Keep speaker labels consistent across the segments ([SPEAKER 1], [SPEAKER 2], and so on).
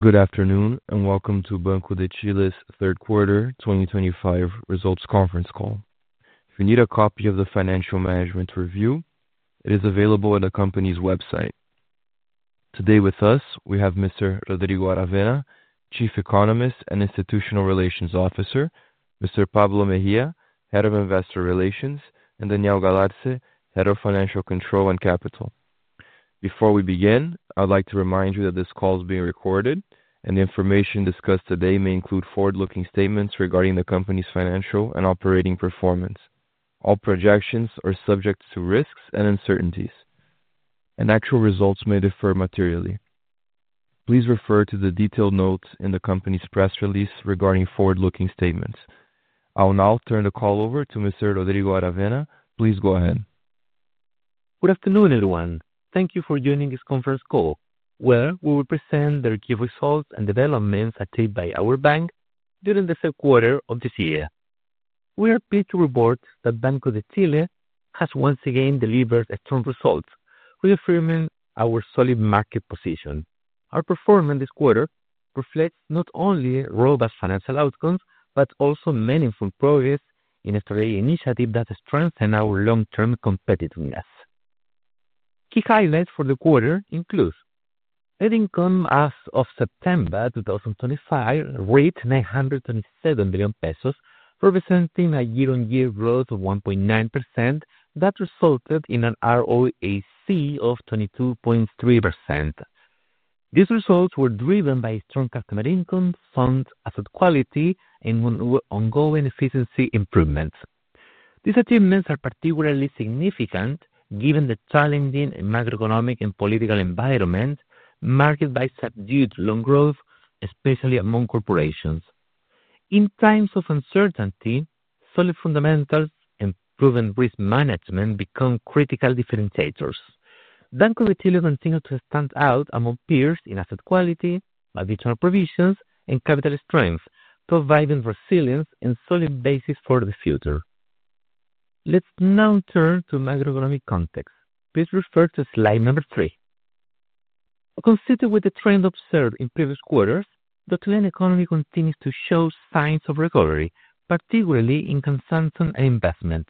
[SPEAKER 1] Good afternoon and welcome to Banco de Chile's third quarter 2025 results conference call. If you need a copy of the financial management review, it is available at the company's website. Today with us, we have Mr. Rodrigo Aravena, Chief Economist and Institutional Relations Officer; Mr. Pablo Mejía, Head of Investor Relations; and Daniel Galarce, Head of Financial Control and Capital. Before we begin, I'd like to remind you that this call is being recorded, and the information discussed today may include forward-looking statements regarding the company's financial and operating performance. All projections are subject to risks and uncertainties, and actual results may differ materially. Please refer to the detailed notes in the company's press release regarding forward-looking statements. I'll now turn the call over to Mr. Rodrigo Aravena. Please go ahead.
[SPEAKER 2] Good afternoon, everyone. Thank you for joining this conference call, where we will present the review results and developments achieved by our bank during the third quarter of this year. We are pleased to report that Banco de Chile has once again delivered strong results, reaffirming our solid market position. Our performance this quarter reflects not only robust financial outcomes but also meaningful progress in a strategic initiative that strengthens our long-term competitiveness. Key highlights for the quarter include: Income as of September 2025 reached 927 million pesos, representing a year-on-year growth of 1.9% that resulted in an ROAC of 22.3%. These results were driven by strong customer income, sound asset quality, and ongoing efficiency improvements. These achievements are particularly significant given the challenging macroeconomic and political environment marked by subdued loan growth, especially among corporations. In times of uncertainty, solid fundamentals and proven risk management become critical differentiators. Banco de Chile continues to stand out among peers in asset quality, additional provisions, and capital strength, providing resilience and solid bases for the future. Let's now turn to macroeconomic context. Please refer to slide number three. Considering the trend observed in previous quarters, the Chilean economy continues to show signs of recovery, particularly in consumption and investment.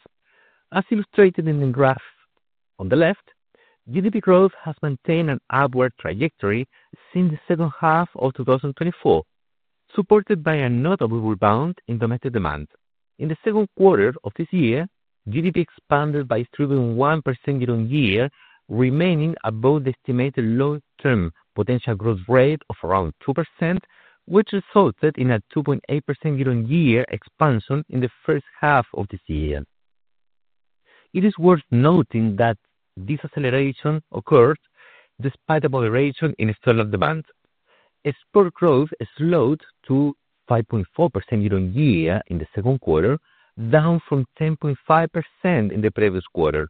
[SPEAKER 2] As illustrated in the graph on the left, GDP growth has maintained an upward trajectory since the second half of 2024, supported by a notable rebound in domestic demand. In the second quarter of this year, GDP expanded by 3.1% year-on-year, remaining above the estimated long-term potential growth rate of around 2%, which resulted in a 2.8% year-on-year expansion in the first half of this year. It is worth noting that this acceleration occurred despite a moderation in external demand. Export growth slowed to 5.4% year-on-year in the second quarter, down from 10.5% in the previous quarter.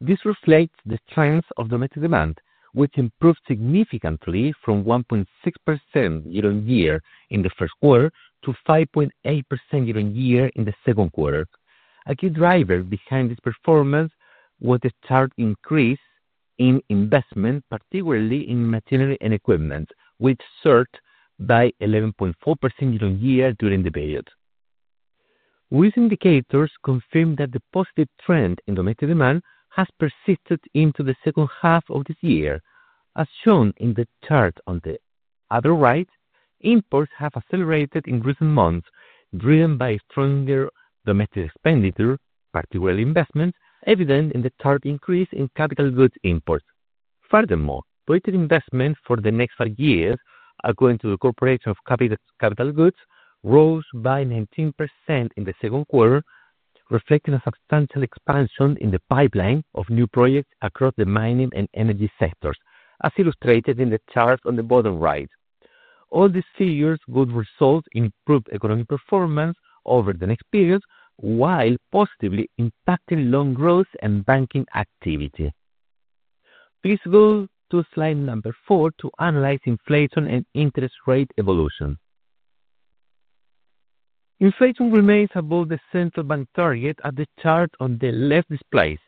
[SPEAKER 2] This reflects the strength of domestic demand, which improved significantly from 1.6% year-on-year in the first quarter to 5.8% year-on-year in the second quarter. A key driver behind this performance was the sharp increase in investment, particularly in machinery and equipment, which soared by 11.4% year-on-year during the period. These indicators confirm that the positive trend in domestic demand has persisted into the second half of this year. As shown in the chart on the other right, imports have accelerated in recent months, driven by stronger domestic expenditure, particularly investment, evident in the sharp increase in capital goods imports. Furthermore, projected investment for the next five years, according to the Corporation of Capital Goods, rose by 19% in the second quarter, reflecting a substantial expansion in the pipeline of new projects across the mining and energy sectors, as illustrated in the chart on the bottom right. All these figures could result in improved economic performance over the next period while positively impacting loan growth and banking activity. Please go to slide number four to analyze inflation and interest rate evolution. Inflation remains above the Banco Central de Chile target as the chart on the left displays.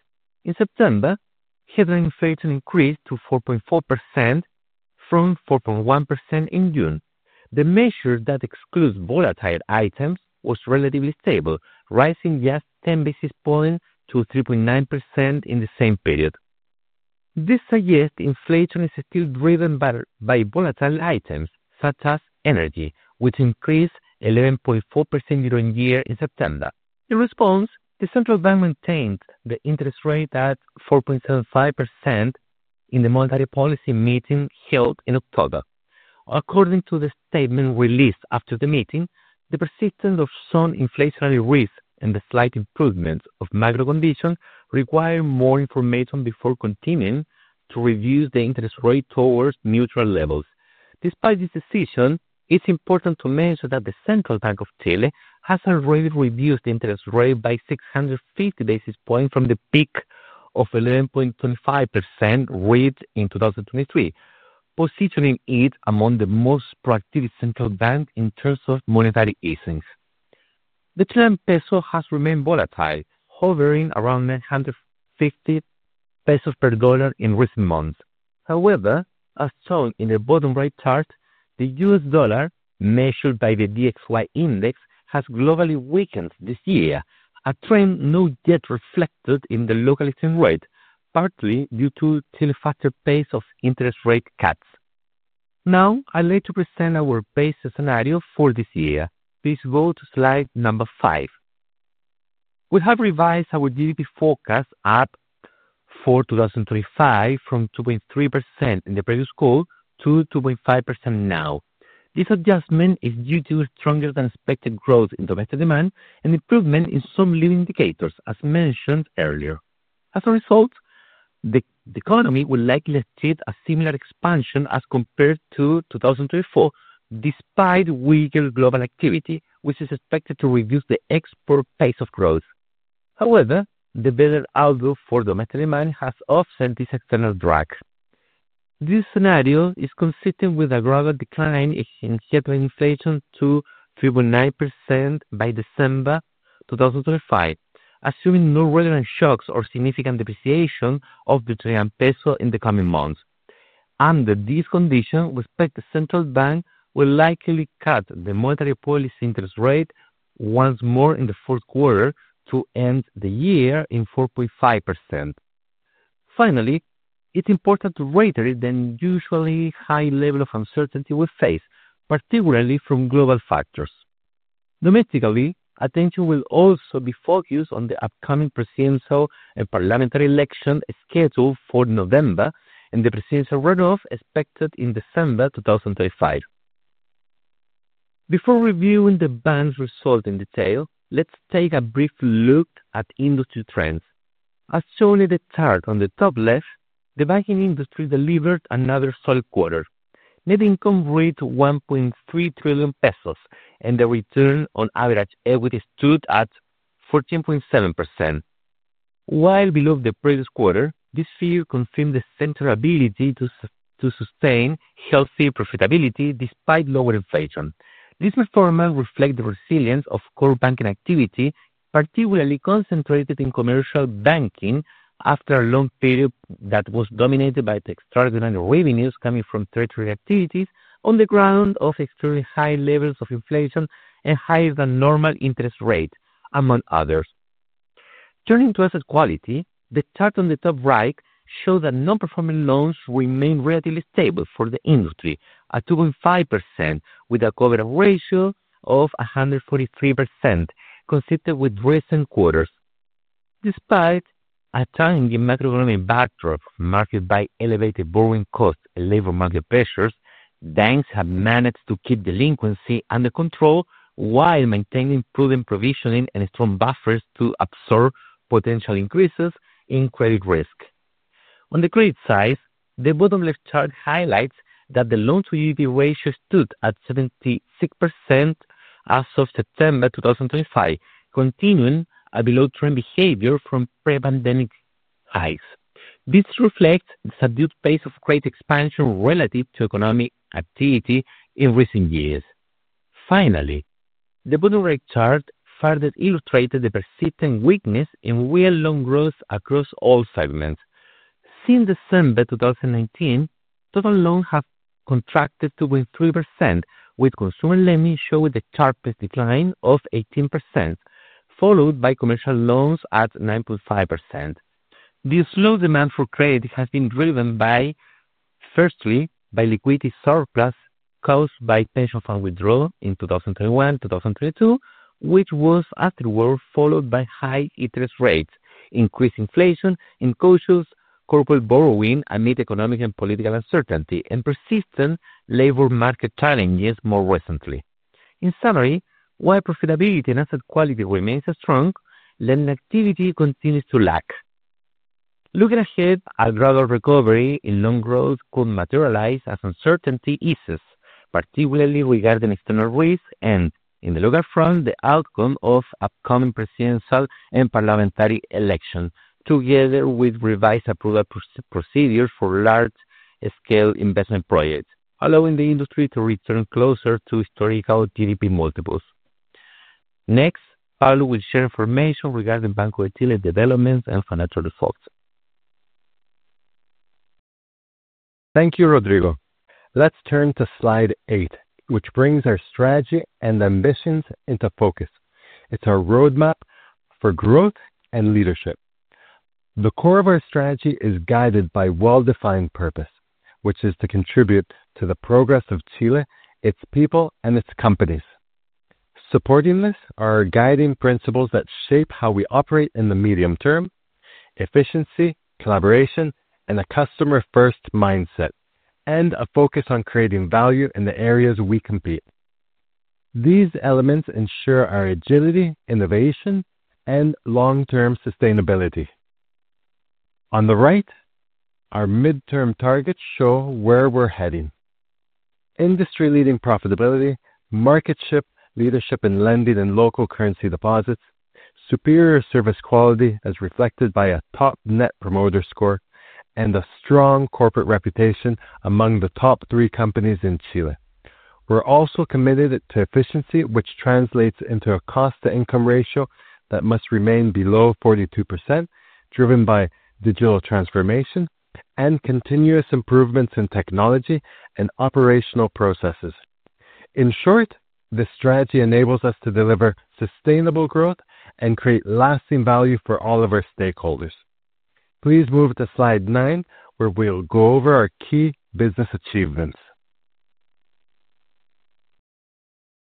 [SPEAKER 2] In September, headline inflation increased to 4.4% from 4.1% in June. The measure that excludes volatile items was relatively stable, rising just 10 basis points to 3.9% in the same period. This suggests inflation is still driven by volatile items, such as energy, which increased 11.4% year-on-year in September. In response, the Central Bank maintained the interest rate at 4.75% in the monetary policy meeting held in October. According to the statement released after the meeting, the persistence of sound inflationary risks and the slight improvements of macro conditions require more information before continuing to reduce the interest rate towards neutral levels. Despite this decision, it's important to mention that the Central Bank of Chile has already reduced the interest rate by 650 basis points from the peak of 11.25% reached in 2023, positioning it among the most proactive Central Banks in terms of monetary easings. The Chilean Peso has remained volatile, hovering around 950 pesos per dollar in recent months. However, as shown in the bottom right chart, the U.S. dollar, measured by the DXY Index, has globally weakened this year, a trend not yet reflected in the local exchange rate, partly due to Chile's faster pace of interest rate cuts. Now, I'd like to present our basic scenario for this year. Please go to slide number five. We have revised our GDP forecast for 2025 from 2.3% in the previous quarter to 2.5% now. This adjustment is due to stronger-than-expected growth in domestic demand and improvement in some leading indicators, as mentioned earlier. As a result, the economy will likely achieve a similar expansion as compared to 2024, despite weaker global activity, which is expected to reduce the export pace of growth. However, the better outlook for domestic demand has offset this external drag. This scenario is consistent with a gradual decline in headline inflation to 3.9% by December 2025, assuming no relevant shocks or significant depreciation of the Chilean Peso in the coming months. Under these conditions, we expect the Central Bank will likely cut the monetary policy interest rate once more in the fourth quarter to end the year at 4.5%. Finally, it's important to reiterate the unusually high level of uncertainty we face, particularly from global factors. Domestically, attention will also be focused on the upcoming presidential and parliamentary election scheduled for November and the presidential runoff expected in December 2025. Before reviewing the bank's result in detail, let's take a brief look at industry trends. As shown in the chart on the top left, the banking industry delivered another solid quarter, net income reached 1.3 trillion pesos and the return on average equity stood at 14.7%. While below the previous quarter, this figure confirmed the central ability to sustain healthy profitability despite lower inflation. This performance reflects the resilience of core banking activity, particularly concentrated in commercial banking after a long period that was dominated by extraordinary revenues coming from treasury activities on the ground of extremely high levels of inflation and higher-than-normal interest rates, among others. Turning to asset quality, the chart on the top right shows that non-performing loans remain relatively stable for the industry at 2.5%, with a coverage ratio of 143% consistent with recent quarters. Despite a challenging macroeconomic backdrop marked by elevated borrowing costs and labor market pressures, banks have managed to keep delinquency under control while maintaining prudent provisioning and strong buffers to absorb potential increases in credit risk. On the credit side, the bottom left chart highlights that the loan-to-GDP ratio stood at 76% as of September 2025, continuing a below-trend behavior from pre-pandemic highs. This reflects the subdued pace of credit expansion relative to economic activity in recent years. Finally, the bottom right chart further illustrates the persistent weakness in real loan growth across all segments. Since December 2019, total loans have contracted to 2.3%, with consumer lending showing the sharpest decline of 18%, followed by commercial loans at 9.5%. This low demand for credit has been driven by, firstly, by liquidity surplus caused by pension fund withdrawal in 2021-2022, which was afterward followed by high interest rates, increased inflation, and cautious corporate borrowing amid economic and political uncertainty, and persistent labor market challenges more recently. In summary, while profitability and asset quality remain strong, lending activity continues to lack. Looking ahead, a gradual recovery in loan growth could materialize as uncertainty eases, particularly regarding external risks and, in the longer front, the outcome of upcoming presidential and parliamentary elections, together with revised approval procedures for large-scale investment projects, allowing the industry to return closer to historical GDP multiples. Next, Pablo will share information regarding Banco de Chile developments and financial results.
[SPEAKER 3] Thank you, Rodrigo. Let's turn to slide eight, which brings our strategy and ambitions into focus. It is our roadmap for growth and leadership. The core of our strategy is guided by a well-defined purpose, which is to contribute to the progress of Chile, its people, and its companies. Supporting this are our guiding principles that shape how we operate in the medium term: efficiency, collaboration, and a customer-first mindset, and a focus on creating value in the areas we compete. These elements ensure our agility, innovation, and long-term sustainability. On the right, our midterm targets show where we're heading: industry-leading profitability, market leadership in lending and local currency deposits, superior service quality as reflected by a top Net Promoter Score, and a strong corporate reputation among the top three companies in Chile. We're also committed to efficiency, which translates into a cost-to-income ratio that must remain below 42%, driven by digital transformation and continuous improvements in technology and operational processes. In short, this strategy enables us to deliver sustainable growth and create lasting value for all of our stakeholders. Please move to slide nine, where we'll go over our key business achievements.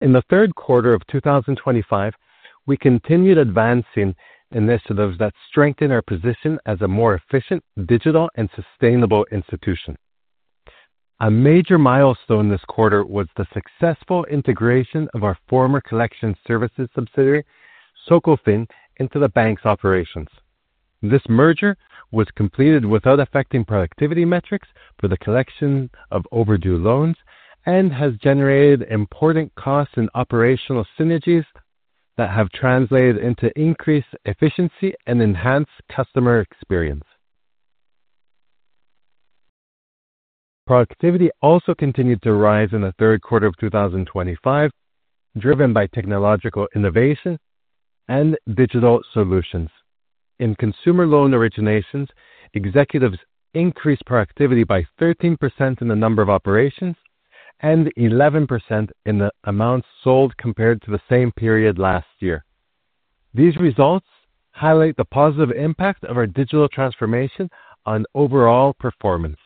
[SPEAKER 3] In the third quarter of 2025, we continued advancing initiatives that strengthen our position as a more efficient, digital, and sustainable institution. A major milestone this quarter was the successful integration of our former collection services subsidiary, Socofin, into the bank's operations. This merger was completed without affecting productivity metrics for the collection of overdue loans and has generated important costs and operational synergies that have translated into increased efficiency and enhanced customer experience. Productivity also continued to rise in the third quarter of 2025, driven by technological innovation and digital solutions. In consumer loan originations, executives increased productivity by 13% in the number of operations and 11% in the amounts sold compared to the same period last year. These results highlight the positive impact of our digital transformation on overall performance.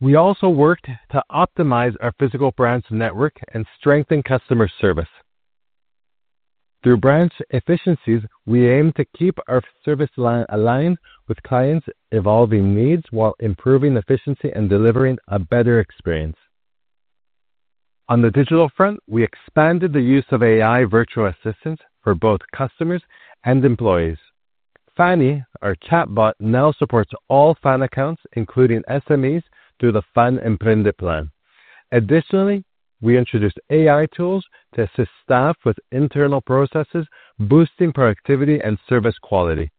[SPEAKER 3] We also worked to optimize our physical branch network and strengthen customer service. Through branch efficiencies, we aim to keep our service line aligned with clients' evolving needs while improving efficiency and delivering a better experience. On the digital front, we expanded the use of AI virtual assistants for both customers and employees. Fanny, our chatbot, now supports all FAN accounts, including SMEs, through the FAN Emprende plan. Additionally, we introduced AI tools to assist staff with internal processes, boosting productivity and service quality.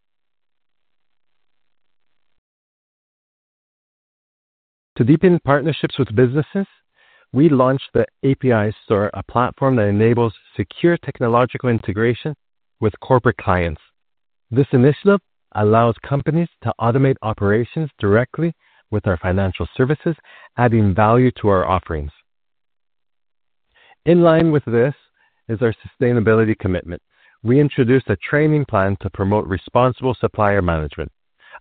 [SPEAKER 3] To deepen partnerships with businesses, we launched the API Store, a platform that enables secure technological integration with corporate clients. This initiative allows companies to automate operations directly with our financial services, adding value to our offerings. In line with this is our sustainability commitment. We introduced a training plan to promote responsible supplier management.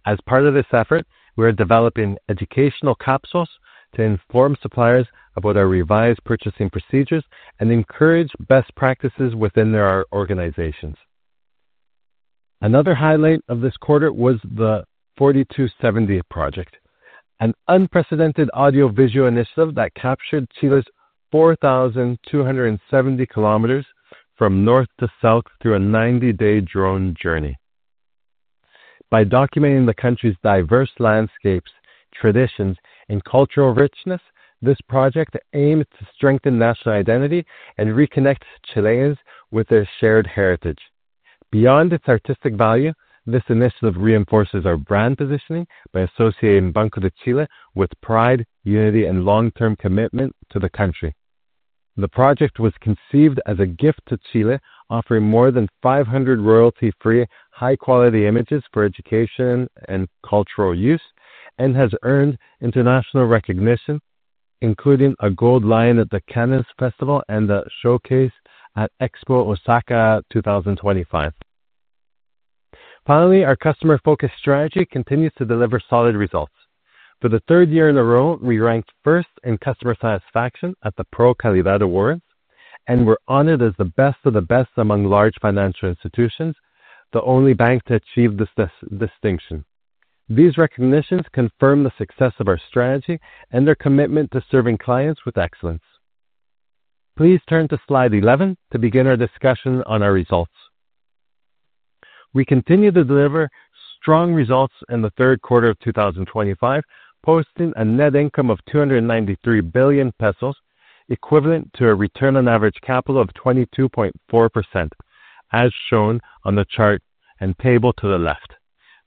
[SPEAKER 3] As part of this effort, we are developing educational capsules to inform suppliers about our revised purchasing procedures and encourage best practices within our organizations. Another highlight of this quarter was the 4270 project, an unprecedented audio-visual initiative that captured Chile's 4,270 kilometers from north to south through a 90-day drone journey. By documenting the country's diverse landscapes, traditions, and cultural richness, this project aimed to strengthen national identity and reconnect Chileans with their shared heritage. Beyond its artistic value, this initiative reinforces our brand positioning by associating Banco de Chile with pride, unity, and long-term commitment to the country. The project was conceived as a gift to Chile, offering more than 500 royalty-free, high-quality images for education and cultural use, and has earned international recognition, including a Gold Lion at the Cannes Lions International Festival of Creativity and a showcase at Expo Osaka 2025. Finally, our customer-focused strategy continues to deliver solid results. For the third year in a row, we ranked first in customer satisfaction at the Pro Calidad Awards, and we are honored as the best of the best among large financial institutions, the only bank to achieve this distinction. These recognitions confirm the success of our strategy and our commitment to serving clients with excellence. Please turn to slide 11 to begin our discussion on our results. We continue to deliver strong results in the third quarter of 2025, posting a net income of 293 billion pesos, equivalent to a return on average capital of 22.4%, as shown on the chart and table to the left.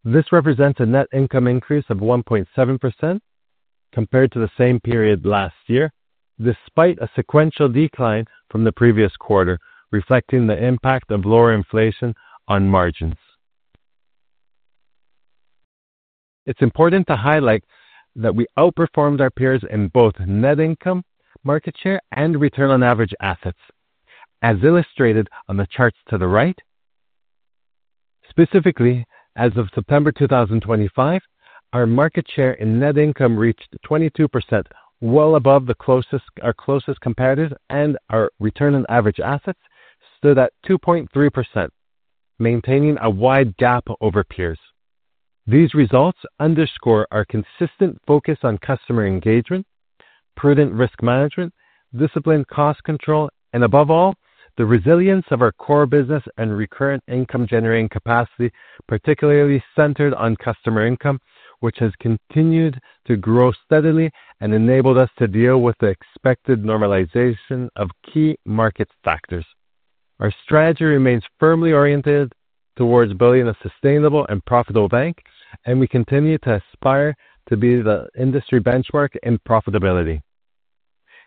[SPEAKER 3] This represents a net income increase of 1.7% compared to the same period last year, despite a sequential decline from the previous quarter, reflecting the impact of lower inflation on margins. It's important to highlight that we outperformed our peers in both net income, market share, and return on average assets, as illustrated on the charts to the right. Specifically, as of September 2025, our market share in net income reached 22%, well above our closest competitors, and our return on average assets stood at 2.3%, maintaining a wide gap over peers. These results underscore our consistent focus on customer engagement, prudent risk management, disciplined cost control, and above all, the resilience of our core business and recurrent income-generating capacity, particularly centered on customer income, which has continued to grow steadily and enabled us to deal with the expected normalization of key market factors. Our strategy remains firmly oriented towards building a sustainable and profitable bank, and we continue to aspire to be the industry benchmark in profitability.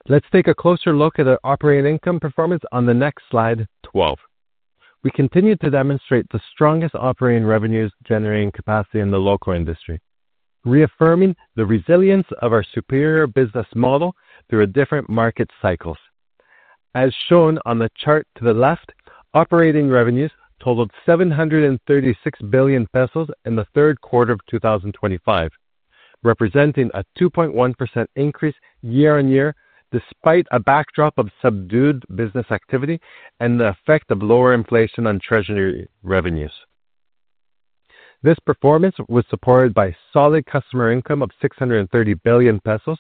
[SPEAKER 3] Let's take a closer look at our operating income performance on the next slide, 12. We continue to demonstrate the strongest operating revenues-generating capacity in the local industry, reaffirming the resilience of our superior business model through different market cycles. As shown on the chart to the left, operating revenues totaled 736 billion pesos in the third quarter of 2025, representing a 2.1% increase year-on-year despite a backdrop of subdued business activity and the effect of lower inflation on treasury revenues. This performance was supported by solid customer income of 630 billion pesos,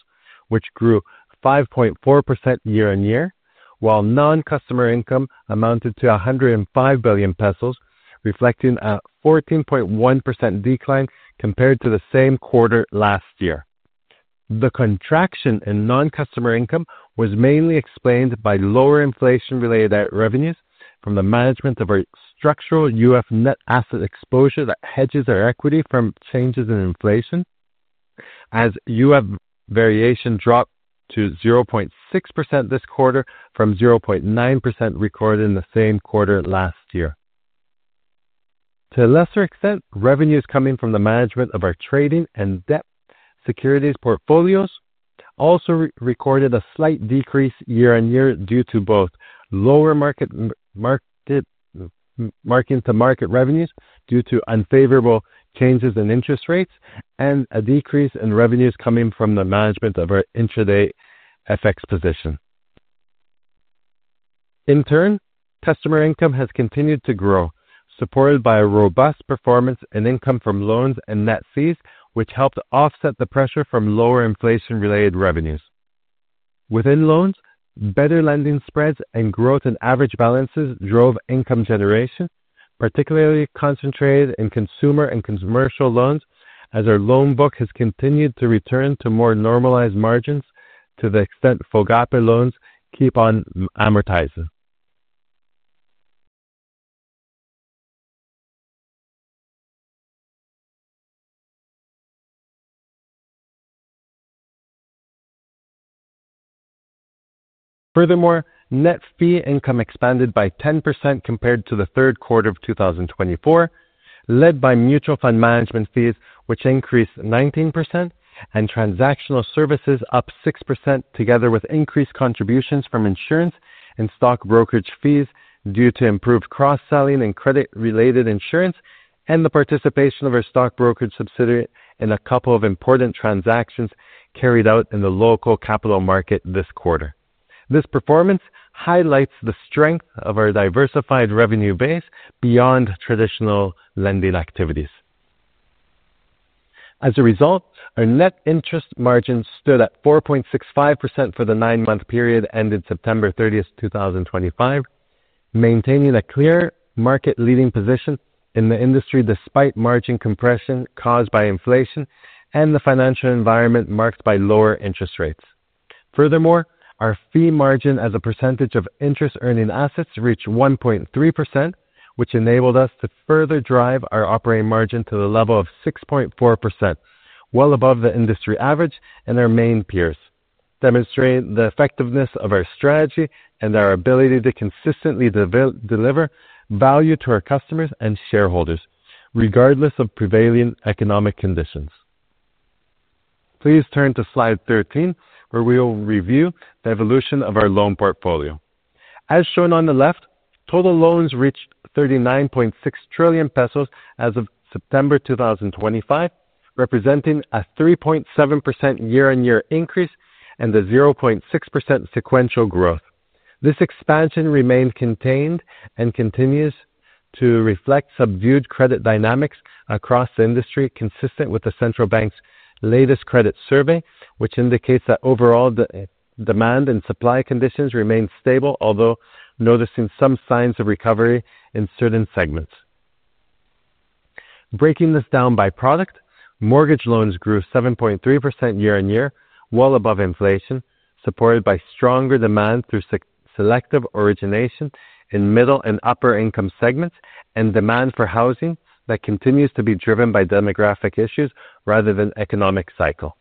[SPEAKER 3] which grew 5.4% year-on-year, while non-customer income amounted to 105 billion pesos, reflecting a 14.1% decline compared to the same quarter last year. The contraction in non-customer income was mainly explained by lower inflation-related revenues from the management of our structural UF net asset exposure that hedges our equity from changes in inflation, as UF variation dropped to 0.6% this quarter from 0.9% recorded in the same quarter last year. To a lesser extent, revenues coming from the management of our trading and debt securities portfolios also recorded a slight decrease year-on-year due to both lower market-to-market revenues due to unfavorable changes in interest rates and a decrease in revenues coming from the management of our intraday FX position. In turn, customer income has continued to grow, supported by robust performance and income from loans and net fees, which helped offset the pressure from lower inflation-related revenues. Within loans, better lending spreads and growth in average balances drove income generation, particularly concentrated in consumer and commercial loans, as our loan book has continued to return to more normalized margins to the extent FOGAPE loans keep on amortizing. Furthermore, net fee income expanded by 10% compared to the third quarter of 2024, led by mutual fund management fees, which increased 19%, and transactional services up 6%, together with increased contributions from insurance and stock brokerage fees due to improved cross-selling and credit-related insurance, and the participation of our stock brokerage subsidiary in a couple of important transactions carried out in the local capital market this quarter. This performance highlights the strength of our diversified revenue base beyond traditional lending activities. As a result, our net interest margin stood at 4.65% for the nine-month period ended September 30, 2025, maintaining a clear market-leading position in the industry despite margin compression caused by inflation and the financial environment marked by lower interest rates. Furthermore, our fee margin as a percentage of interest-earning assets reached 1.3%, which enabled us to further drive our operating margin to the level of 6.4%, well above the industry average and our main peers, demonstrating the effectiveness of our strategy and our ability to consistently deliver value to our customers and shareholders, regardless of prevailing economic conditions. Please turn to slide 13, where we will review the evolution of our loan portfolio. As shown on the left, total loans reached 39.6 trillion pesos as of September 2025, representing a 3.7% year-on-year increase and a 0.6% sequential growth. This expansion remained contained and continues to reflect subdued credit dynamics across the industry, consistent with the Central Bank's latest credit survey, which indicates that overall demand and supply conditions remain stable, although noticing some signs of recovery in certain segments. Breaking this down by product, mortgage loans grew 7.3% year-on-year, well above inflation, supported by stronger demand through selective origination in middle and upper-income segments and demand for housing that continues to be driven by demographic issues rather than economic cycle.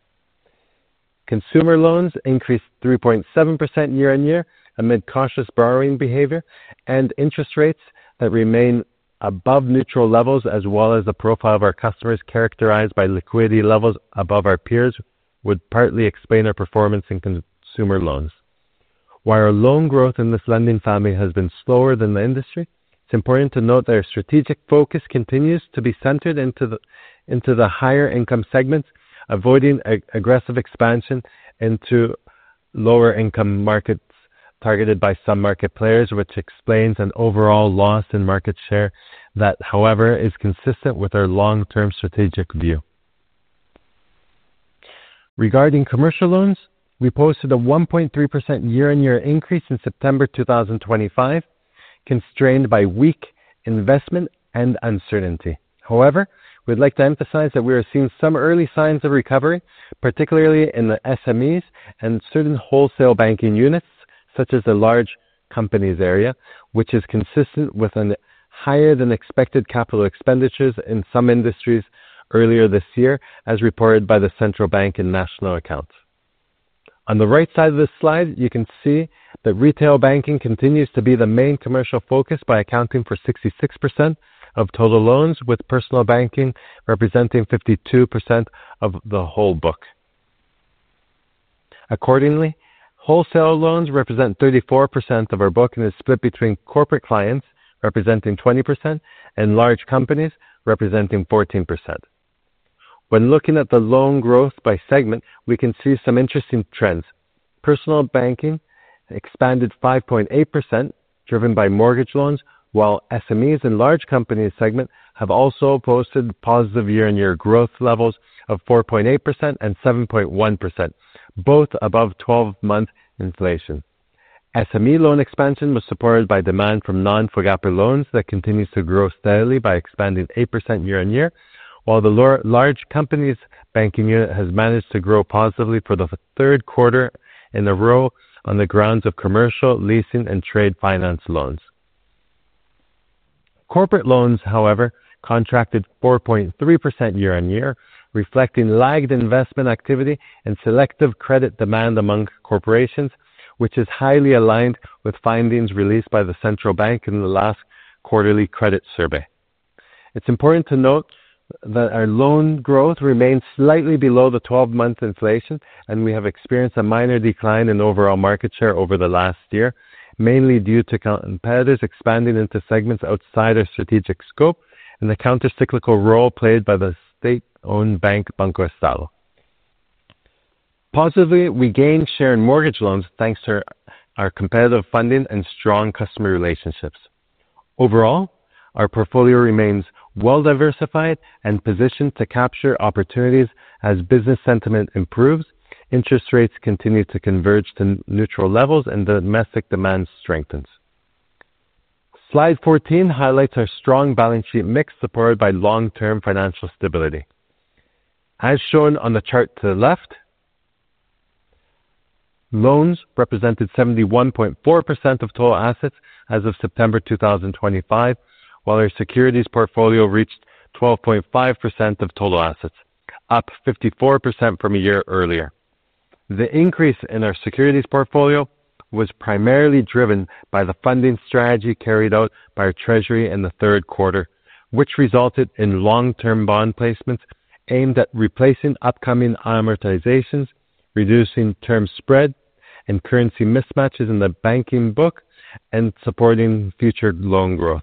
[SPEAKER 3] Consumer loans increased 3.7% year-on-year amid cautious borrowing behavior, and interest rates that remain above neutral levels, as well as the profile of our customers characterized by liquidity levels above our peers, would partly explain our performance in consumer loans. While our loan growth in this lending family has been slower than the industry, it's important to note that our strategic focus continues to be centered into the higher-income segments, avoiding aggressive expansion into lower-income markets targeted by some market players, which explains an overall loss in market share that, however, is consistent with our long-term strategic view. Regarding commercial loans, we posted a 1.3% year-on-year increase in September 2025, constrained by weak investment and uncertainty. However, we'd like to emphasize that we are seeing some early signs of recovery, particularly in the SMEs and certain wholesale banking units, such as the large companies area, which is consistent with higher-than-expected capital expenditures in some industries earlier this year, as reported by the Central Bank and national accounts. On the right side of this slide, you can see that retail banking continues to be the main commercial focus by accounting for 66% of total loans, with personal banking representing 52% of the whole book. Accordingly, wholesale loans represent 34% of our book and is split between corporate clients, representing 20%, and large companies, representing 14%. When looking at the loan growth by segment, we can see some interesting trends. Personal banking expanded 5.8%, driven by mortgage loans, while SMEs and large companies segment have also posted positive year-on-year growth levels of 4.8% and 7.1%, both above 12-month inflation. SME loan expansion was supported by demand from non-FOGAPE loans that continues to grow steadily by expanding 8% year-on-year, while the large companies banking unit has managed to grow positively for the third quarter in a row on the grounds of commercial, leasing, and trade finance loans. Corporate loans, however, contracted 4.3% year-on-year, reflecting lagged investment activity and selective credit demand among corporations, which is highly aligned with findings released by the Central Bank in the last quarterly credit survey. It's important to note that our loan growth remains slightly below the 12-month inflation, and we have experienced a minor decline in overall market share over the last year, mainly due to competitors expanding into segments outside our strategic scope and the countercyclical role played by the state-owned bank, BancoEstado. Positively, we gained share in mortgage loans thanks to our competitive funding and strong customer relationships. Overall, our portfolio remains well-diversified and positioned to capture opportunities as business sentiment improves, interest rates continue to converge to neutral levels, and the domestic demand strengthens. Slide 14 highlights our strong balance sheet mix, supported by long-term financial stability. As shown on the chart to the left, loans represented 71.4% of total assets as of September 2025, while our securities portfolio reached 12.5% of total assets, up 54% from a year earlier. The increase in our securities portfolio was primarily driven by the funding strategy carried out by our Treasury in the third quarter, which resulted in long-term bond placements aimed at replacing upcoming amortizations, reducing term spread and currency mismatches in the banking book, and supporting future loan growth.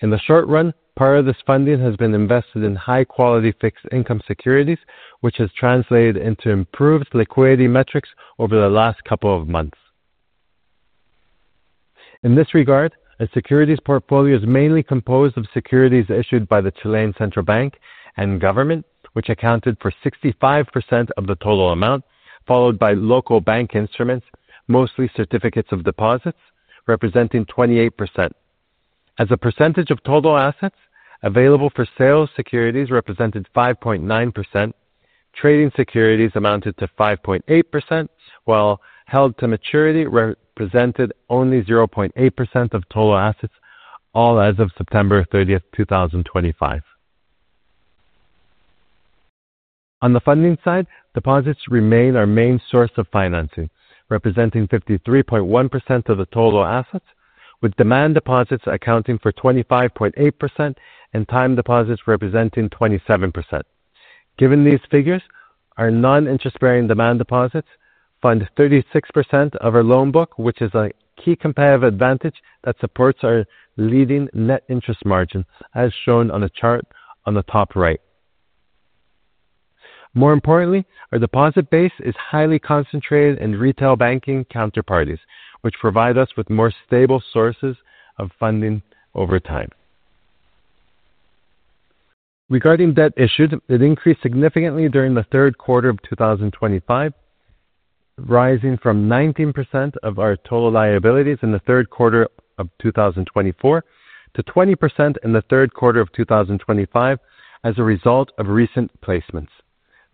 [SPEAKER 3] In the short run, part of this funding has been invested in high-quality fixed income securities, which has translated into improved liquidity metrics over the last couple of months. In this regard, our securities portfolio is mainly composed of securities issued by the Chilean Central Bank and government, which accounted for 65% of the total amount, followed by local bank instruments, mostly certificates of deposits, representing 28%. As a percentage of total assets, available for sale securities represented 5.9%, trading securities amounted to 5.8%, while held to maturity represented only 0.8% of total assets, all as of September 30, 2025. On the funding side, deposits remain our main source of financing, representing 53.1% of the total assets, with demand deposits accounting for 25.8% and time deposits representing 27%. Given these figures, our non-interest-bearing demand deposits fund 36% of our loan book, which is a key competitive advantage that supports our leading net interest margin, as shown on the chart on the top right. More importantly, our deposit base is highly concentrated in retail banking counterparties, which provide us with more stable sources of funding over time. Regarding debt issued, it increased significantly during the third quarter of 2025, rising from 19% of our total liabilities in the third quarter of 2024 to 20% in the third quarter of 2025 as a result of recent placements.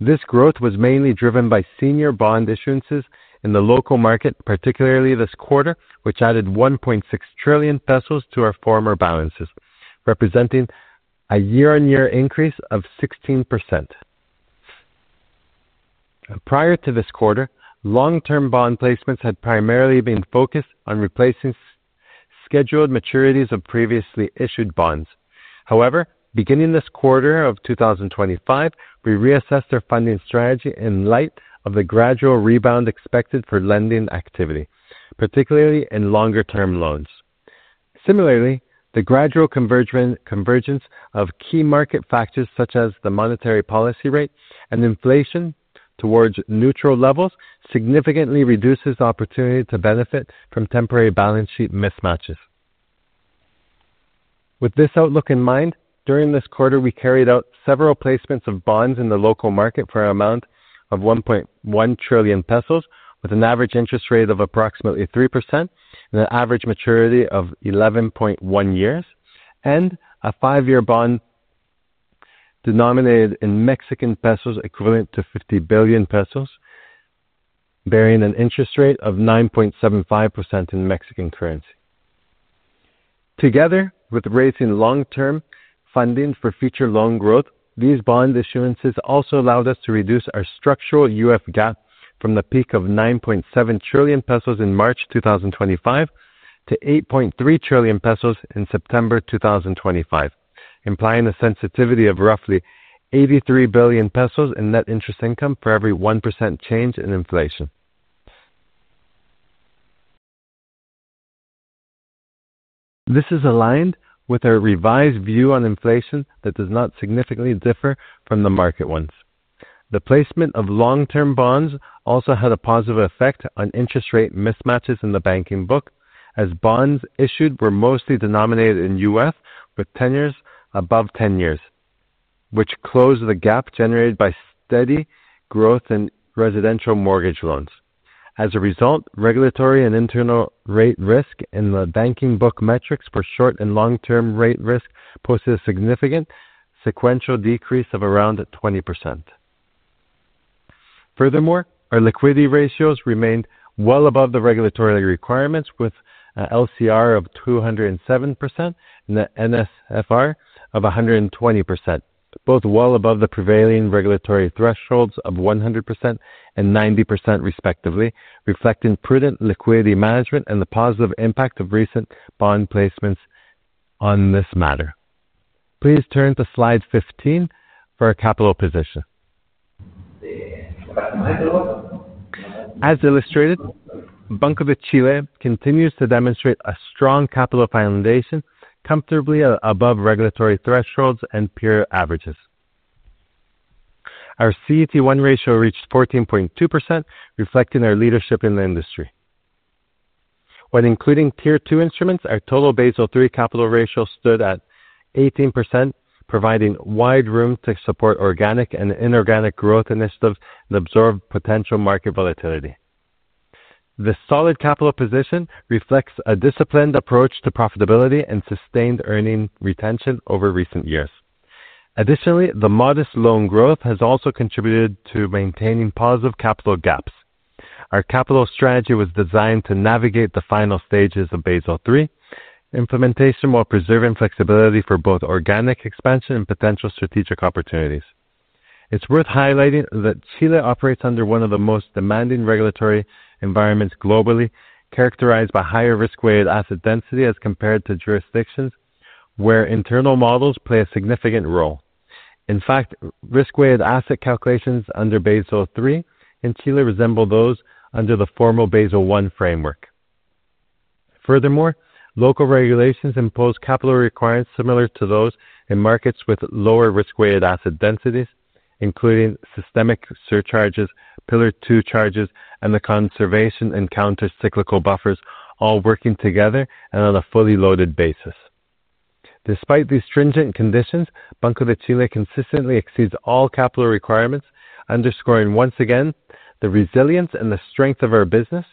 [SPEAKER 3] This growth was mainly driven by senior bond issuances in the local market, particularly this quarter, which added 1.6 trillion pesos to our former balances, representing a year-on-year increase of 16%. Prior to this quarter, long-term bond placements had primarily been focused on replacing scheduled maturities of previously issued bonds. However, beginning this quarter of 2025, we reassessed our funding strategy in light of the gradual rebound expected for lending activity, particularly in longer-term loans. Similarly, the gradual convergence of key market factors such as the monetary policy rate and inflation towards neutral levels significantly reduces the opportunity to benefit from temporary balance sheet mismatches. With this outlook in mind, during this quarter, we carried out several placements of bonds in the local market for an amount of 1.1 trillion pesos, with an average interest rate of approximately 3%, an average maturity of 11.1 years, and a five-year bond denominated in MXN equivalent to 50 billion pesos, bearing an interest rate of 9.75% in Mexican currency. Together, with raising long-term funding for future loan growth, these bond issuances also allowed us to reduce our structural UF gap from the peak of 9.7 trillion pesos in March 2025 to 8.3 trillion pesos in September 2025, implying a sensitivity of roughly 83 billion pesos in net interest income for every 1% change in inflation. This is aligned with our revised view on inflation that does not significantly differ from the market ones. The placement of long-term bonds also had a positive effect on interest rate mismatches in the banking book, as bonds issued were mostly denominated in UF with tenures above 10 years, which closed the gap generated by steady growth in residential mortgage loans. As a result, regulatory and internal rate risk in the banking book metrics for short and long-term rate risk posted a significant sequential decrease of around 20%. Furthermore, our liquidity ratios remained well above the regulatory requirements, with an LCR of 207% and an NSFR of 120%, both well above the prevailing regulatory thresholds of 100% and 90%, respectively, reflecting prudent liquidity management and the positive impact of recent bond placements on this matter. Please turn to slide 15 for our capital position. As illustrated, Banco de Chile continues to demonstrate a strong capital foundation, comfortably above regulatory thresholds and peer averages. Our CET1 ratio reached 14.2%, reflecting our leadership in the industry. When including tier two instruments, our total Basel III capital ratio stood at 18%, providing wide room to support organic and inorganic growth initiatives and absorb potential market volatility. This solid capital position reflects a disciplined approach to profitability and sustained earning retention over recent years. Additionally, the modest loan growth has also contributed to maintaining positive capital gaps. Our capital strategy was designed to navigate the final stages of Basel III implementation while preserving flexibility for both organic expansion and potential strategic opportunities. It's worth highlighting that Chile operates under one of the most demanding regulatory environments globally, characterized by higher risk-weighted asset density as compared to jurisdictions where internal models play a significant role. In fact, risk-weighted asset calculations under Basel III in Chile resemble those under the formal Basel I framework. Furthermore, local regulations impose capital requirements similar to those in markets with lower risk-weighted asset densities, including systemic surcharges, pillar two charges, and the conservation and countercyclical buffers, all working together and on a fully loaded basis. Despite these stringent conditions, Banco de Chile consistently exceeds all capital requirements, underscoring once again the resilience and the strength of our business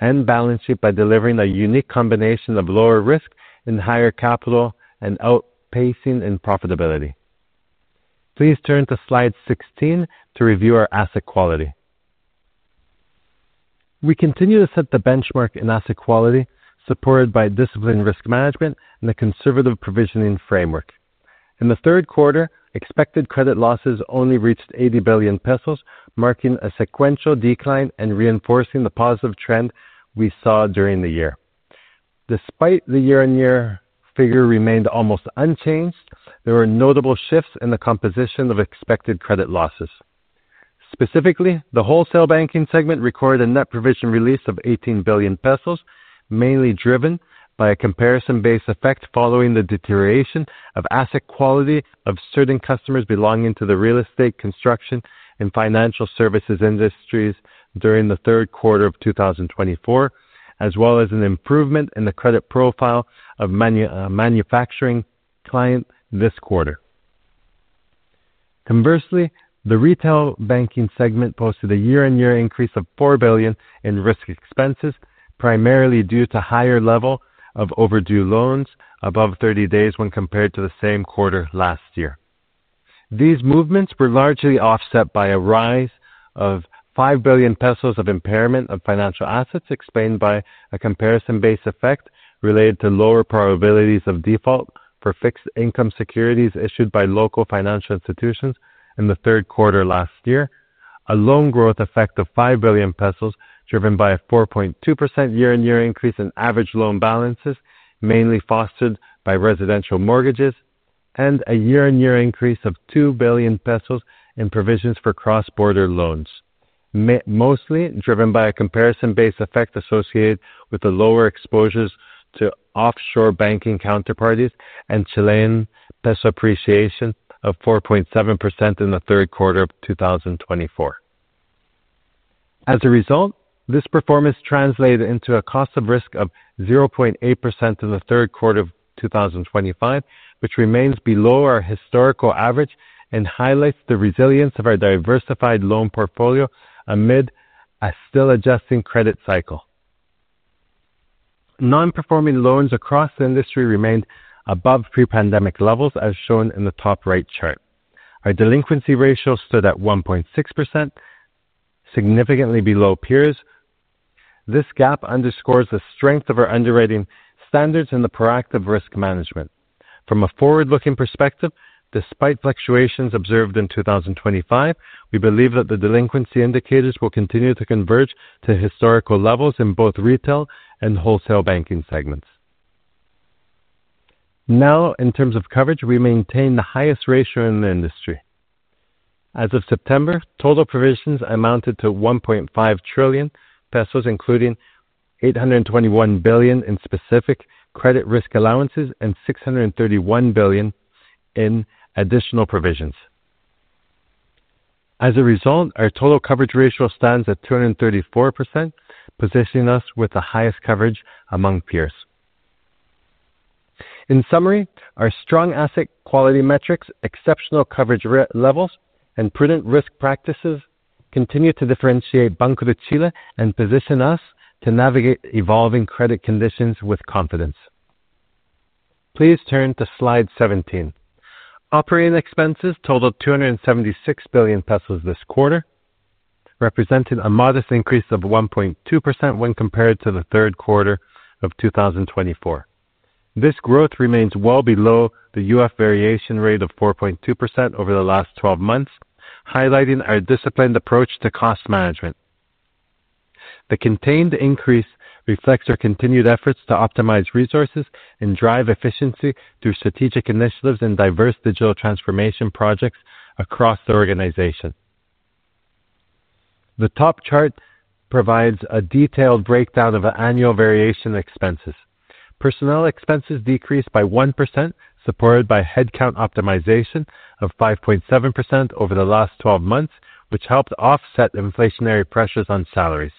[SPEAKER 3] and balance sheet by delivering a unique combination of lower risk and higher capital and outpacing in profitability. Please turn to slide 16 to review our asset quality. We continue to set the benchmark in asset quality, supported by disciplined risk management and the conservative provisioning framework. In the third quarter, expected credit losses only reached 80 billion pesos, marking a sequential decline and reinforcing the positive trend we saw during the year. Despite the year-on-year figure remained almost unchanged, there were notable shifts in the composition of expected credit losses. Specifically, the wholesale banking segment recorded a net provision release of 18 billion pesos, mainly driven by a comparison-based effect following the deterioration of asset quality of certain customers belonging to the real estate, construction, and financial services industries during the third quarter of 2024, as well as an improvement in the credit profile of manufacturing clients this quarter. Conversely, the retail banking segment posted a year-on-year increase of 4 billion in risk expenses, primarily due to a higher level of overdue loans above 30 days when compared to the same quarter last year. These movements were largely offset by a rise of 5 billion pesos of impairment of financial assets, explained by a comparison-based effect related to lower probabilities of default for fixed income securities issued by local financial institutions in the third quarter last year, a loan growth effect of 5 billion pesos driven by a 4.2% year-on-year increase in average loan balances, mainly fostered by residential mortgages, and a year-on-year increase of 2 billion pesos in provisions for cross-border loans, mostly driven by a comparison-based effect associated with the lower exposures to offshore banking counterparties and Chilean Peso appreciation of 4.7% in the third quarter of 2024. As a result, this performance translated into a cost of risk of 0.8% in the third quarter of 2025, which remains below our historical average and highlights the resilience of our diversified loan portfolio amid a still adjusting credit cycle. Non-performing loans across the industry remained above pre-pandemic levels, as shown in the top right chart. Our delinquency ratio stood at 1.6%, significantly below peers. This gap underscores the strength of our underwriting standards and the proactive risk management. From a forward-looking perspective, despite fluctuations observed in 2025, we believe that the delinquency indicators will continue to converge to historical levels in both retail and wholesale banking segments. Now, in terms of coverage, we maintain the highest ratio in the industry. As of September, total provisions amounted to 1.5 trillion pesos, including 821 billion in specific credit risk allowances and 631 billion in additional provisions. As a result, our total coverage ratio stands at 234%, positioning us with the highest coverage among peers. In summary, our strong asset quality metrics, exceptional coverage levels, and prudent risk practices continue to differentiate Banco de Chile and position us to navigate evolving credit conditions with confidence. Please turn to slide 17. Operating expenses totaled 276 billion pesos this quarter, representing a modest increase of 1.2% when compared to the third quarter of 2024. This growth remains well below the UF variation rate of 4.2% over the last 12 months, highlighting our disciplined approach to cost management. The contained increase reflects our continued efforts to optimize resources and drive efficiency through strategic initiatives and diverse digital transformation projects across the organization. The top chart provides a detailed breakdown of annual variation expenses. Personnel expenses decreased by 1%, supported by headcount optimization of 5.7% over the last 12 months, which helped offset inflationary pressures on salaries.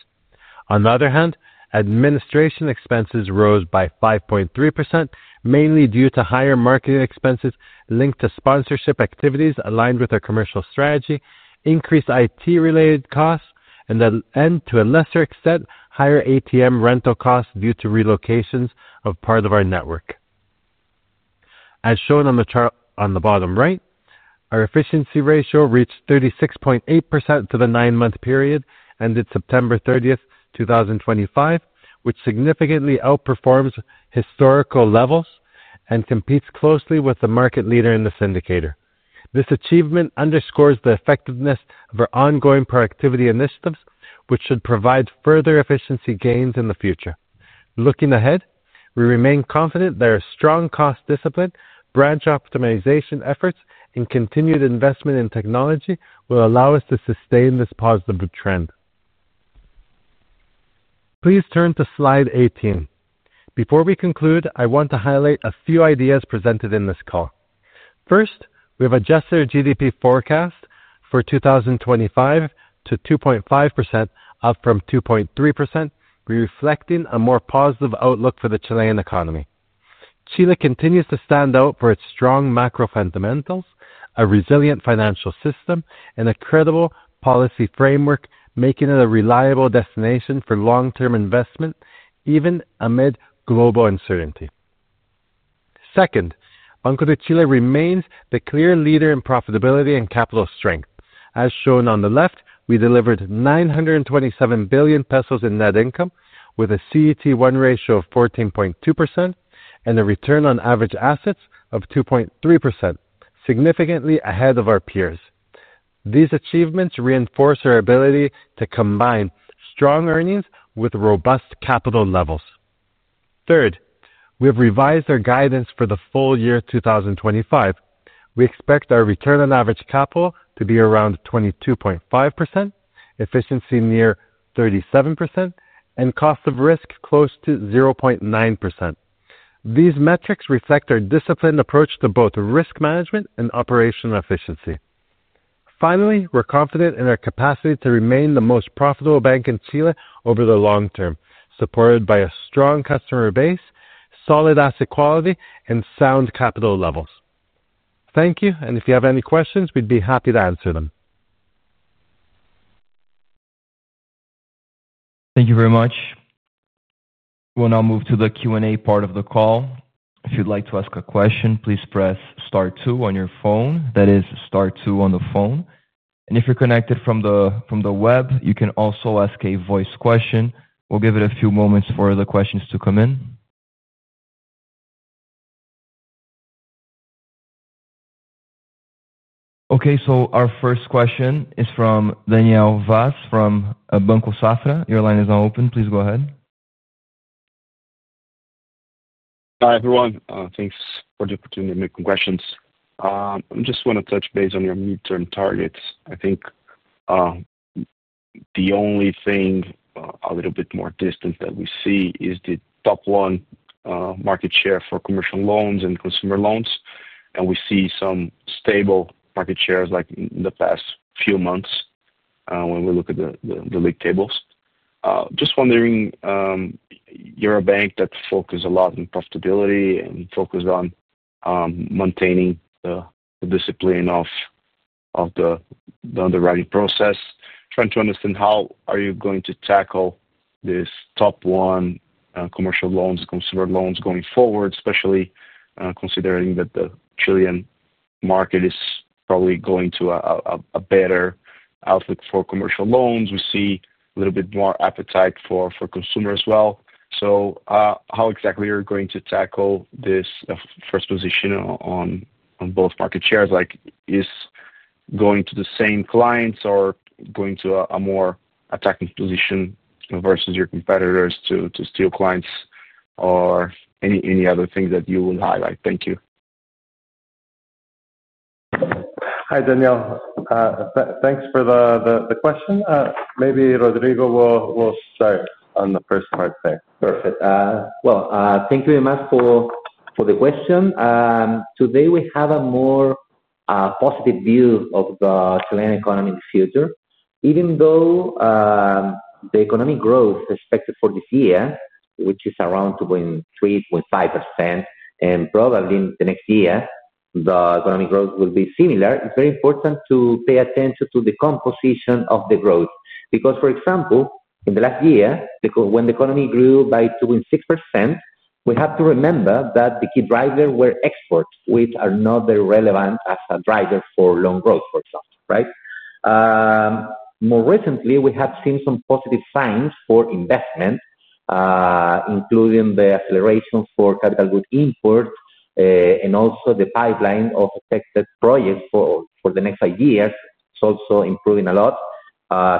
[SPEAKER 3] On the other hand, administration expenses rose by 5.3%, mainly due to higher marketing expenses linked to sponsorship activities aligned with our commercial strategy, increased IT-related costs, and, to a lesser extent, higher ATM rental costs due to relocations of part of our network. As shown on the chart on the bottom right, our efficiency ratio reached 36.8% for the nine-month period ended September 30, 2025, which significantly outperforms historical levels and competes closely with the market leader in this indicator. This achievement underscores the effectiveness of our ongoing productivity initiatives, which should provide further efficiency gains in the future. Looking ahead, we remain confident that our strong cost discipline, branch optimization efforts, and continued investment in technology will allow us to sustain this positive trend. Please turn to slide 18. Before we conclude, I want to highlight a few ideas presented in this call. First, we have adjusted our GDP forecast for 2025 to 2.5%, up from 2.3%, reflecting a more positive outlook for the Chilean economy. Chile continues to stand out for its strong macro fundamentals, a resilient financial system, and a credible policy framework, making it a reliable destination for long-term investment, even amid global uncertainty. Second, Banco de Chile remains the clear leader in profitability and capital strength. As shown on the left, we delivered 927 billion pesos in net income with a CET1 ratio of 14.2% and a return on average assets of 2.3%, significantly ahead of our peers. These achievements reinforce our ability to combine strong earnings with robust capital levels. Third, we have revised our guidance for the full year 2025. We expect our return on average capital to be around 22.5%, efficiency near 37%, and cost of risk close to 0.9%. These metrics reflect our disciplined approach to both risk management and operational efficiency. Finally, we're confident in our capacity to remain the most profitable bank in Chile over the long term, supported by a strong customer base, solid asset quality, and sound capital levels. Thank you, and if you have any questions, we'd be happy to answer them.
[SPEAKER 1] Thank you very much. We'll now move to the Q&A part of the call. If you'd like to ask a question, please press Star Two on your phone. That is Star Two on the phone. If you're connected from the web, you can also ask a voice question. We'll give it a few moments for the questions to come in. Okay, our first question is from Daniel Vaz from Banco Safra. Your line is now open. Please go ahead.
[SPEAKER 4] Hi everyone. Thanks for the opportunity to make some questions. I just want to touch base on your midterm targets. I think the only thing a little bit more distant that we see is the top one market share for commercial loans and consumer loans. We see some stable market shares like in the past few months when we look at the league tables. Just wondering, you're a bank that focuses a lot on profitability and focuses on maintaining the discipline of the underwriting process. Trying to understand how are you going to tackle this top one commercial loans, consumer loans going forward, especially considering that the Chilean market is probably going to a better outlook for commercial loans. We see a little bit more appetite for consumers as well. How exactly are you going to tackle this first position on both market shares? Is it going to the same clients or going to a more attacking position versus your competitors to steal clients or any other things that you would highlight? Thank you.
[SPEAKER 3] Hi Daniel. Thanks for the question. Maybe Rodrigo will start on the first part there.
[SPEAKER 4] Perfect.
[SPEAKER 2] Thank you very much for the question. Today we have a more positive view of the Chilean economy in the future. Even though the economic growth expected for this year, which is around 2.3%-2.5%, and probably in the next year, the economic growth will be similar, it's very important to pay attention to the composition of the growth. Because, for example, in the last year, when the economy grew by 2.6%, we have to remember that the key drivers were exports, which are not very relevant as a driver for loan growth, for example, right? More recently, we have seen some positive signs for investment, including the acceleration for capital good imports and also the pipeline of affected projects for the next five years. It is also improving a lot,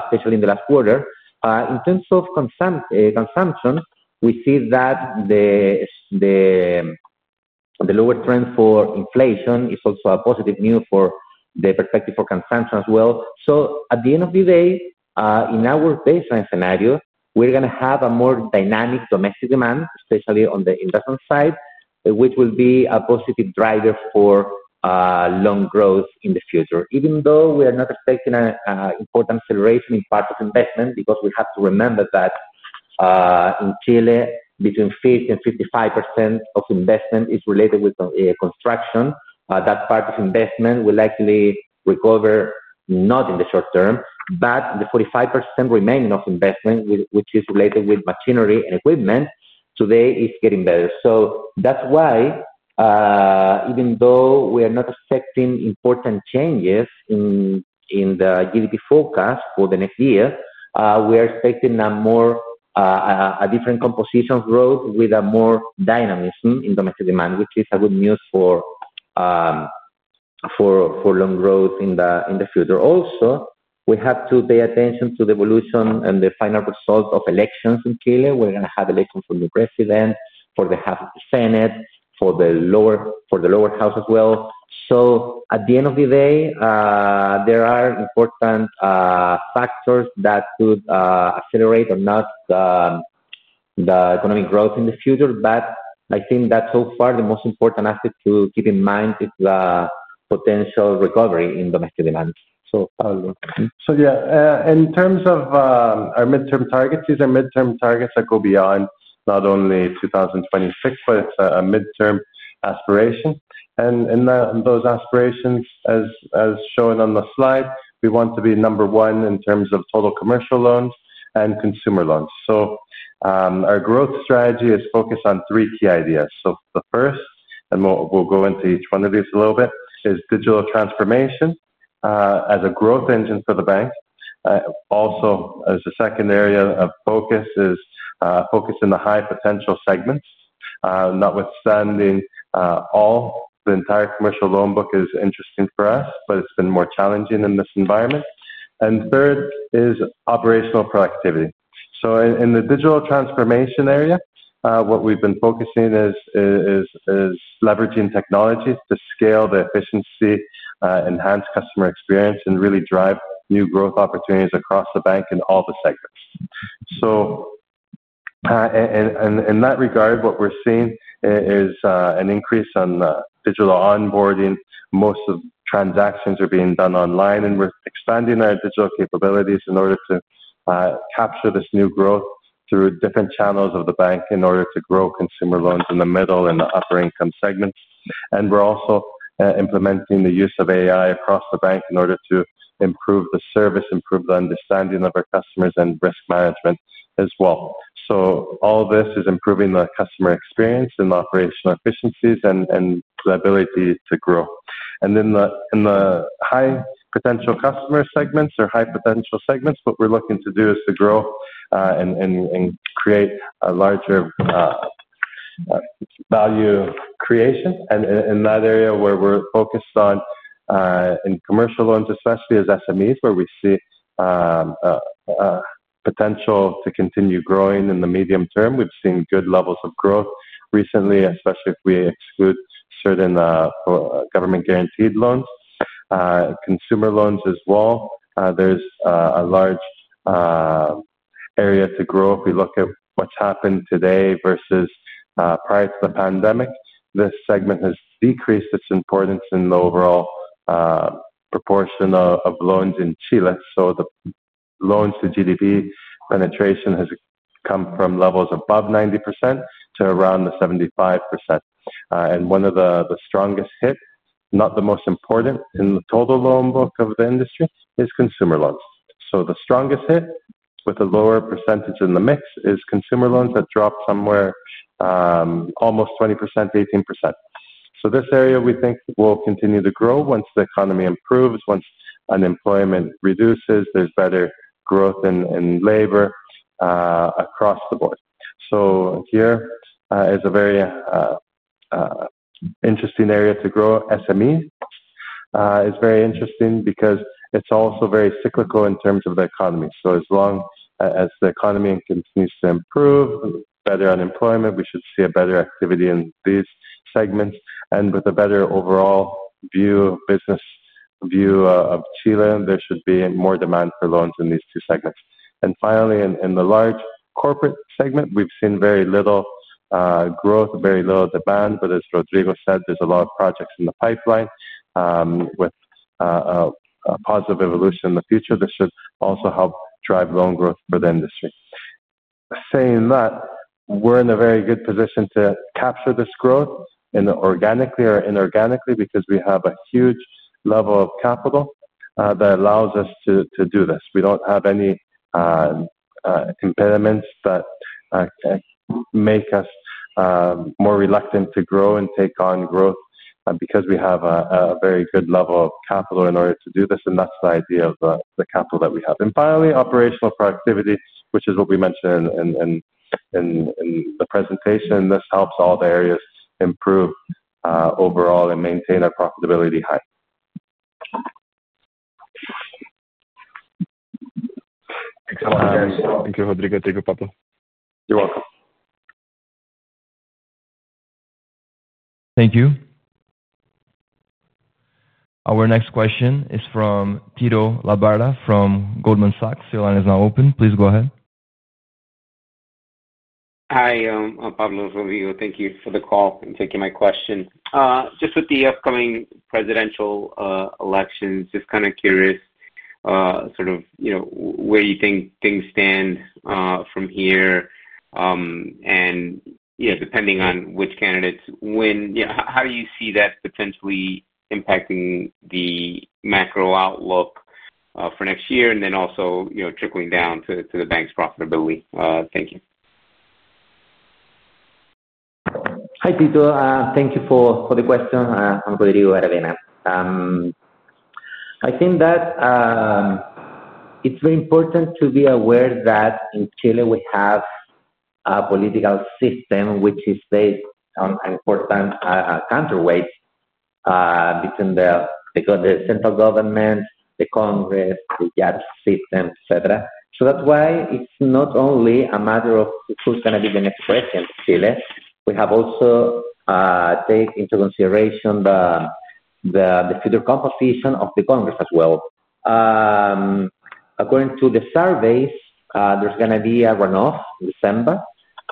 [SPEAKER 2] especially in the last quarter. In terms of consumption, we see that the lower trend for inflation is also a positive news for the perspective for consumption as well. At the end of the day, in our baseline scenario, we are going to have a more dynamic domestic demand, especially on the investment side, which will be a positive driver for loan growth in the future. Even though we are not expecting an important acceleration in parts of investment, because we have to remember that in Chile, between 50%-55% of investment is related with construction, that part of investment will likely recover not in the short term, but the 45% remaining of investment, which is related with machinery and equipment, today is getting better. That is why, even though we are not expecting important changes in the GDP forecast for the next year, we are expecting a different composition of growth with more dynamism in domestic demand, which is good news for loan growth in the future. Also, we have to pay attention to the evolution and the final result of elections in Chile. We are going to have elections for the new president, for the House of the Senate, for the lower house as well. At the end of the day, there are important factors that could accelerate or not the economic growth in the future, but I think that so far the most important aspect to keep in mind is the potential recovery in domestic demand.
[SPEAKER 3] Yeah, in terms of our midterm targets, these are midterm targets that go beyond not only 2026, but it's a midterm aspiration. Those aspirations, as shown on the slide, we want to be number one in terms of total commercial loans and consumer loans. Our growth strategy is focused on three key ideas. The first, and we'll go into each one of these a little bit, is digital transformation as a growth engine for the bank. Also, as a second area of focus, is focusing on the high potential segments, notwithstanding all the entire commercial loan book is interesting for us, but it's been more challenging in this environment. Third is operational productivity. In the digital transformation area, what we've been focusing on is leveraging technology to scale the efficiency, enhance customer experience, and really drive new growth opportunities across the bank in all the segments. In that regard, what we're seeing is an increase in digital onboarding. Most of the transactions are being done online, and we're expanding our digital capabilities in order to capture this new growth through different channels of the bank in order to grow consumer loans in the middle and the upper income segments. We are also implementing the use of AI across the bank in order to improve the service, improve the understanding of our customers, and risk management as well. All this is improving the customer experience and operational efficiencies and the ability to grow. In the high-potential customer segments or high-potential segments, what we are looking to do is to grow and create a larger value creation. In that area where we are focused on, in commercial loans especially, is SMEs, where we see potential to continue growing in the medium term. We have seen good levels of growth recently, especially if we exclude certain government-guaranteed loans. Consumer loans as well. There is a large area to grow. If we look at what has happened today versus prior to the pandemic, this segment has decreased its importance in the overall proportion of loans in Chile. The loans to GDP penetration has come from levels above 90% to around 75%. One of the strongest hits, not the most important in the total loan book of the industry, is consumer loans. The strongest hit with a lower percentage in the mix is consumer loans that dropped somewhere almost 20% to 18%. This area, we think, will continue to grow once the economy improves, once unemployment reduces, there is better growth in labor across the board. Here is a very interesting area to grow. SMEs is very interesting because it is also very cyclical in terms of the economy. As long as the economy continues to improve, better unemployment, we should see better activity in these segments. With a better overall business view of Chile, there should be more demand for loans in these two segments. Finally, in the large corporate segment, we've seen very little growth, very little demand. As Rodrigo said, there's a lot of projects in the pipeline with a positive evolution in the future. This should also help drive loan growth for the industry. Saying that, we're in a very good position to capture this growth organically or inorganically because we have a huge level of capital that allows us to do this. We don't have any impediments that make us more reluctant to grow and take on growth because we have a very good level of capital in order to do this. That's the idea of the capital that we have. Finally, operational productivity, which is what we mentioned in the presentation. This helps all the areas improve overall and maintain our profitability high.
[SPEAKER 4] Thank you, Rodrigo. Thank you, Pablo.
[SPEAKER 3] You're welcome.
[SPEAKER 1] Thank you. Our next question is from Tito Labarta from Goldman Sachs. Your line is now open. Please go ahead.
[SPEAKER 5] Hi, Pablo, Rodrigo. Thank you for the call and taking my question. Just with the upcoming presidential elections, just kind of curious sort of where you think things stand from here. And depending on which candidates win, how do you see that potentially impacting the macro outlook for next year and then also trickling down to the bank's profitability? Thank you.
[SPEAKER 2] Hi, Tito. Thank you for the question, Rodrigo Aravena. I think that it's very important to be aware that in Chile we have a political system which is based on important counterweights between the central government, the Congress, the GATT system, etc. So that's why it's not only a matter of who's going to be the next president of Chile. We have also taken into consideration the future composition of the Congress as well. According to the surveys, there's going to be a runoff in December,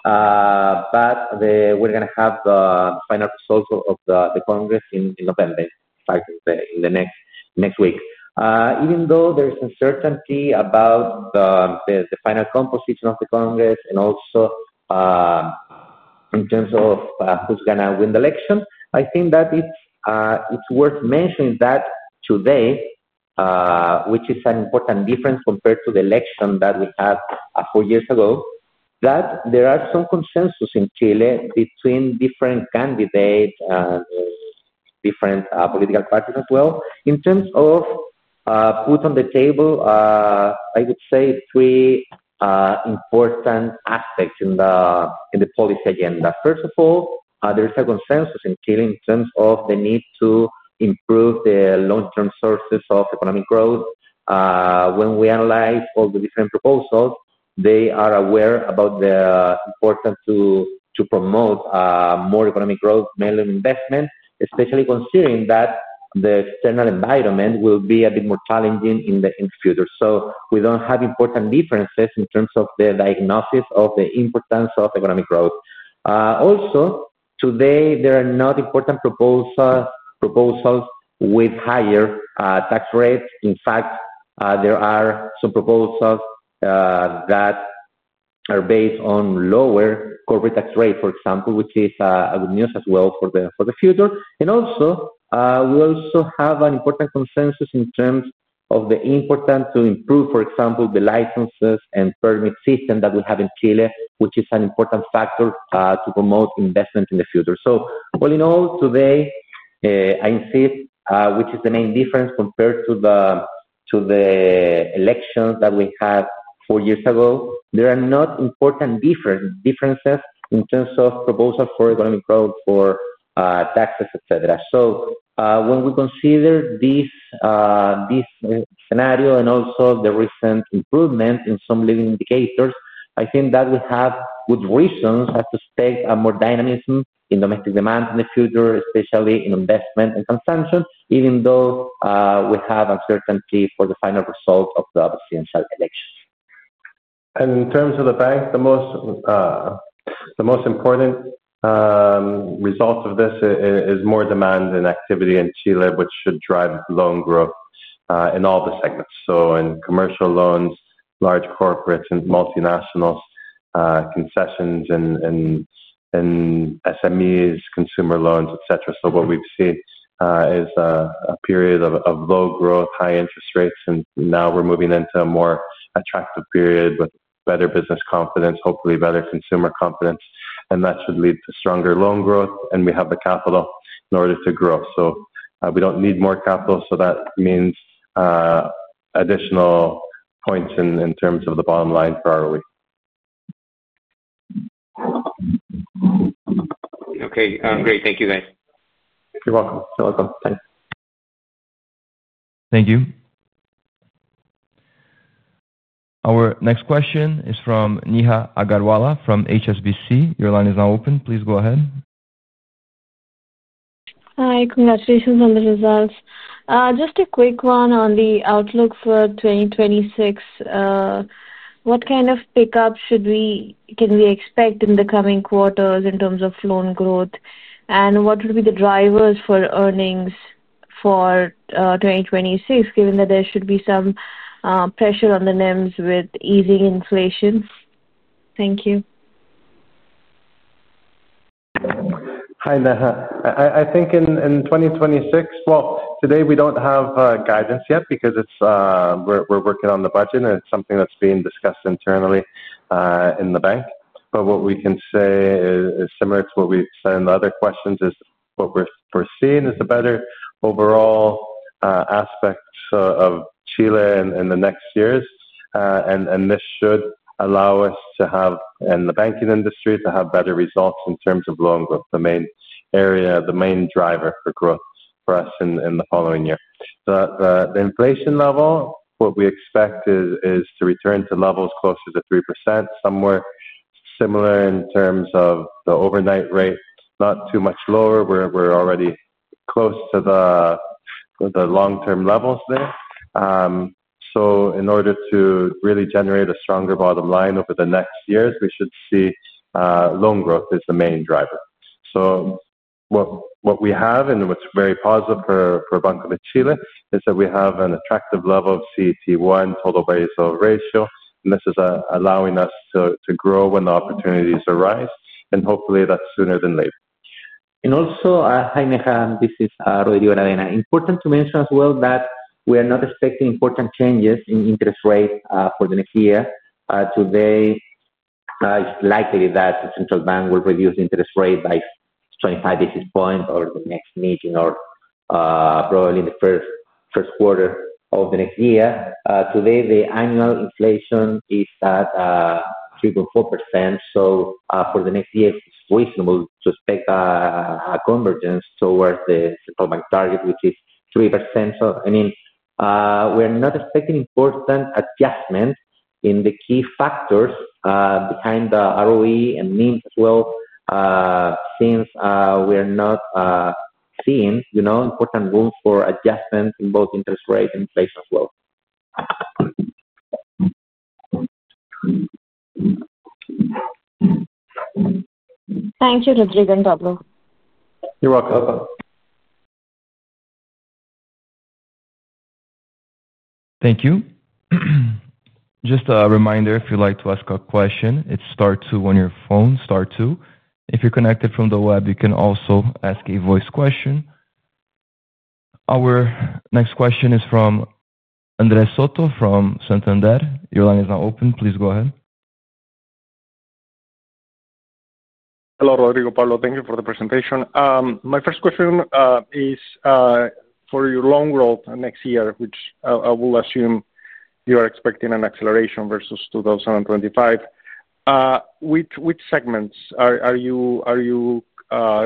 [SPEAKER 2] but we're going to have the final results of the Congress in November, in fact, in the next week. Even though there's uncertainty about the final composition of the Congress and also in terms of who's going to win the election, I think that it's worth mentioning that today, which is an important difference compared to the election that we had four years ago, that there are some consensus in Chile between different candidates, different political parties as well. In terms of put on the table, I would say three important aspects in the policy agenda. First of all, there is a consensus in Chile in terms of the need to improve the long-term sources of economic growth. When we analyze all the different proposals, they are aware about the importance to promote more economic growth, mainly investment, especially considering that the external environment will be a bit more challenging in the future. We do not have important differences in terms of the diagnosis of the importance of economic growth. Also, today, there are not important proposals with higher tax rates. In fact, there are some proposals that are based on lower corporate tax rates, for example, which is good news as well for the future. We also have an important consensus in terms of the importance to improve, for example, the licenses and permit system that we have in Chile, which is an important factor to promote investment in the future. All in all, today, I see which is the main difference compared to the elections that we had four years ago, there are not important differences in terms of proposals for economic growth, for taxes, etc. When we consider this scenario and also the recent improvement in some living indicators, I think that we have good reasons to expect more dynamism in domestic demand in the future, especially in investment and consumption, even though we have uncertainty for the final result of the presidential election.
[SPEAKER 3] In terms of the bank, the most important result of this is more demand and activity in Chile, which should drive loan growth in all the segments. In commercial loans, large corporates, and multinationals, concessions, and SMEs, consumer loans, etc. What we have seen is a period of low growth, high interest rates, and now we are moving into a more attractive period with better business confidence, hopefully better consumer confidence. That should lead to stronger loan growth, and we have the capital in order to grow. We do not need more capital. That means additional points in terms of the bottom line for our week.
[SPEAKER 5] Okay. Great. Thank you, guys.
[SPEAKER 3] You are welcome.
[SPEAKER 2] You are welcome.
[SPEAKER 1] Thanks. Thank you. Our next question is from Neha Agarwala from HSBC. Your line is now open. Please go ahead.
[SPEAKER 6] Hi. Congratulations on the results. Just a quick one on the outlook for 2026. What kind of pickup can we expect in the coming quarters in terms of loan growth? What would be the drivers for earnings for 2026, given that there should be some pressure on the NIMs with easing inflation? Thank you.
[SPEAKER 3] Hi, Neha. I think in 2026, today we do not have guidance yet because we are working on the budget, and it is something that is being discussed internally in the bank. What we can say is similar to what we have said in the other questions. What we are seeing is a better overall aspect of Chile in the next years. This should allow us in the banking industry to have better results in terms of loan growth, the main area, the main driver for growth for us in the following year. The inflation level, what we expect is to return to levels closer to 3%, somewhere similar in terms of the overnight rate, not too much lower. We are already close to the long-term levels there. In order to really generate a stronger bottom line over the next years, we should see loan growth as the main driver. What we have and what's very positive for Banco de Chile is that we have an attractive level of CET1, total value-to-sale ratio. This is allowing us to grow when the opportunities arise. Hopefully, that's sooner than later.
[SPEAKER 2] Also, hi Neha. This is Rodrigo Aravena. Important to mention as well that we are not expecting important changes in interest rates for the next year. Today, it's likely that the Central Bank will reduce the interest rate by 25 basis points over the next meeting or probably in the first quarter of the next year. Today, the annual inflation is at 3.4%. For the next year, it's reasonable to expect a convergence towards the Central Bank target, which is 3%. I mean, we are not expecting important adjustments in the key factors behind the ROE and NEMs as well since we are not seeing important room for adjustment in both interest rate and inflation as well.
[SPEAKER 6] Thank you, Rodrigo and Pablo.
[SPEAKER 3] You're welcome.
[SPEAKER 1] Thank you. Just a reminder, if you'd like to ask a question, it's Star Two on your phone, Star Two. If you're connected from the web, you can also ask a voice question. Our next question is from Andres Soto from Santander. Your line is now open. Please go ahead.
[SPEAKER 7] Hello, Rodrigo, Pablo. Thank you for the presentation. My first question is for your loan growth next year, which I will assume you are expecting an acceleration versus 2025. Which segments are you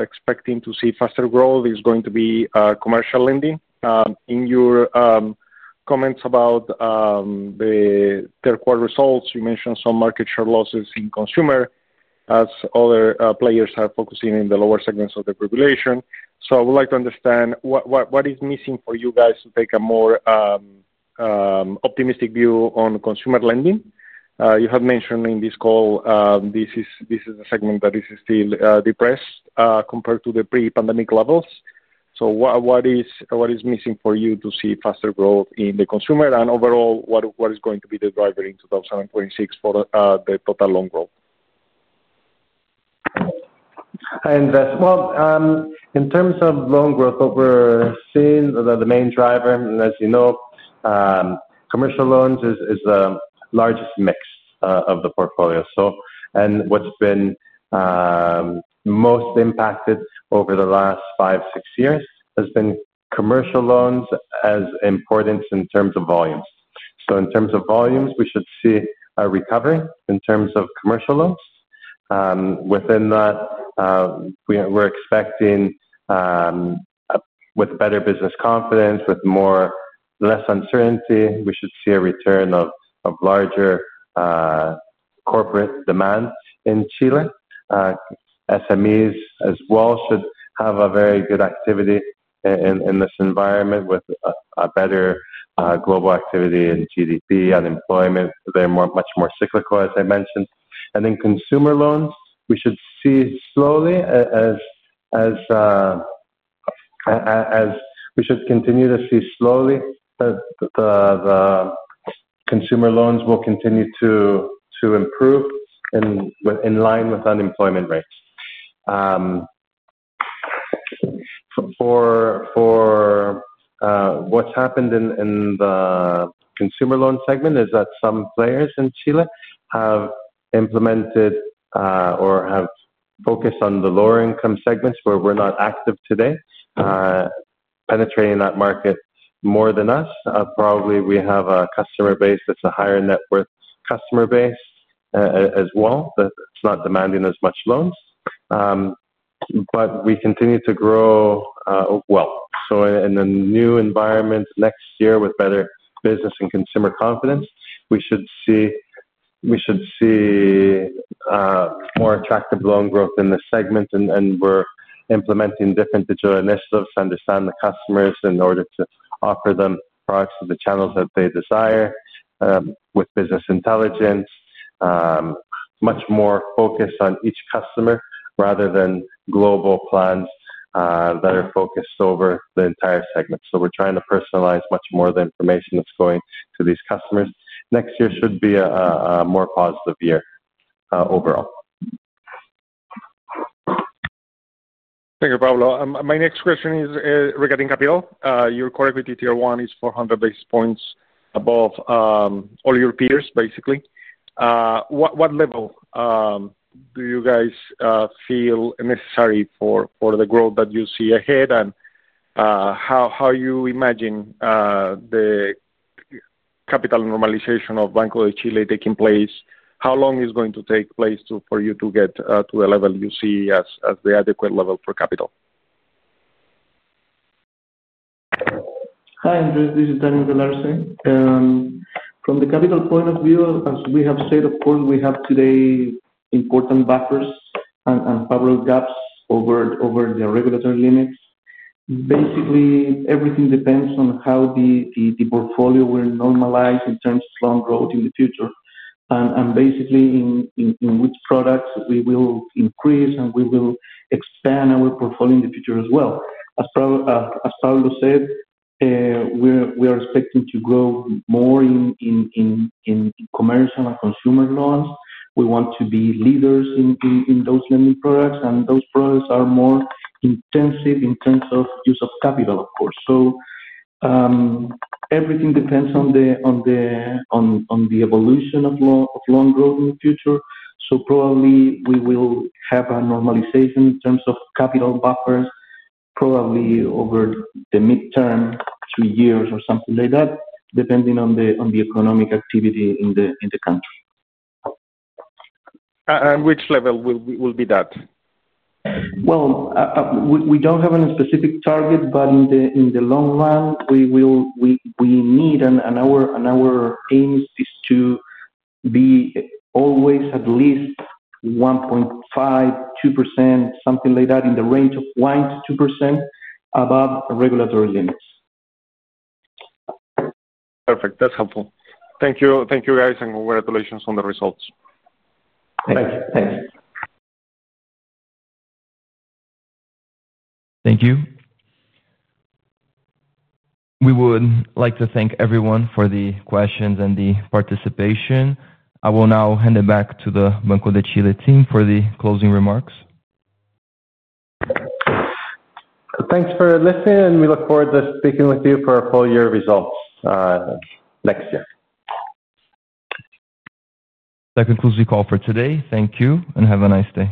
[SPEAKER 7] expecting to see faster growth? Is it going to be commercial lending? In your comments about the third-quarter results, you mentioned some market share losses in consumer as other players are focusing in the lower segments of the regulation. I would like to understand what is missing for you guys to take a more optimistic view on consumer lending. You have mentioned in this call, this is a segment that is still depressed compared to the pre-pandemic levels. What is missing for you to see faster growth in the consumer? Overall, what is going to be the driver in 2026 for the total loan growth?
[SPEAKER 3] In terms of loan growth, what we're seeing is that the main driver, and as you know, commercial loans is the largest mix of the portfolio. What's been most impacted over the last five-six years has been commercial loans as important in terms of volumes. In terms of volumes, we should see a recovery in terms of commercial loans. Within that, we're expecting with better business confidence, with less uncertainty, we should see a return of larger corporate demand in Chile. SMEs as well should have a very good activity in this environment with better global activity in GDP, unemployment. They're much more cyclical, as I mentioned. In consumer loans, we should see slowly as we should continue to see slowly that the consumer loans will continue to improve in line with unemployment rates. For what's happened in the consumer loan segment is that some players in Chile have implemented or have focused on the lower-income segments where we're not active today, penetrating that market more than us. Probably we have a customer base that's a higher-net-worth customer base as well that's not demanding as much loans. We continue to grow well. In a new environment next year with better business and consumer confidence, we should see more attractive loan growth in the segment. We are implementing different digital initiatives to understand the customers in order to offer them products through the channels that they desire with business intelligence, much more focused on each customer rather than global plans that are focused over the entire segment. We are trying to personalize much more the information that is going to these customers. Next year should be a more positive year overall.
[SPEAKER 7] Thank you, Pablo. My next question is regarding capital. Your core equity tier one is 400 basis points above all your peers, basically. What level do you guys feel necessary for the growth that you see ahead? How do you imagine the capital normalization of Banco de Chile taking place? How long is it going to take for you to get to the level you see as the adequate level for capital?
[SPEAKER 8] Hi, Andres. This is Daniel Galarce. From the capital point of view, as we have said, of course, we have today important buffers and probable gaps over the regulatory limits. Basically, everything depends on how the portfolio will normalize in terms of loan growth in the future and basically in which products we will increase and we will expand our portfolio in the future as well. As Pablo said, we are expecting to grow more in commercial and consumer loans. We want to be leaders in those lending products. Those products are more intensive in terms of use of capital, of course. Everything depends on the evolution of loan growth in the future. Probably we will have a normalization in terms of capital buffers, probably over the midterm, two years, or something like that, depending on the economic activity in the country.
[SPEAKER 7] Which level will be that?
[SPEAKER 8] We do not have a specific target, but in the long run, we need and our aim is to be always at least 1.5-2%, something like that, in the range of 1%-2% above regulatory limits.
[SPEAKER 7] Perfect. That is helpful. Thank you, guys, and congratulations on the results.
[SPEAKER 3] Thank you.
[SPEAKER 2] Thanks.
[SPEAKER 1] Thank you. We would like to thank everyone for the questions and the participation. I will now hand it back to the Banco de Chile team for the closing remarks.
[SPEAKER 3] Thanks for listening, and we look forward to speaking with you for full-year results next year.
[SPEAKER 1] That concludes the call for today. Thank you, and have a nice day.